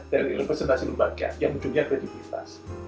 dari representasi lembaga yang munculnya kredititas